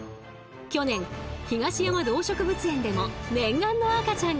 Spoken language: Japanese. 去年東山動植物園でも念願の赤ちゃんが誕生！